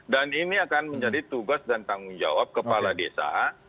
dan ini akan menjadi tugas dan tanggung jawab kepala desa